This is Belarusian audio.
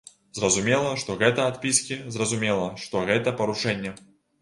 Зразумела, што гэта адпіскі, зразумела, што гэта парушэнне.